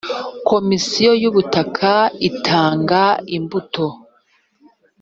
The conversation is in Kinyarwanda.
komisiyo y’ ubutaka itanga imbuto.